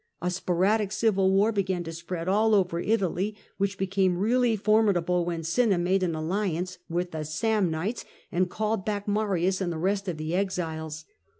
A sporadic civil war began to spread all over Italy, which became really formidable when Cinna made an alliance with the Samnites, and called back Marius and the rest of the exiles.